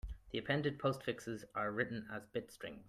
The appended postfixes are written as bit strings.